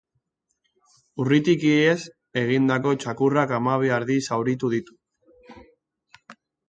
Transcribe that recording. Urritik ihes egindako txakurrak hamabi ardi zauritu ditu.